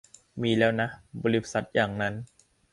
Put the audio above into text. มีแล้วนะ บริษัทอย่างนั้น